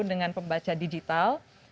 dengan pembaca digital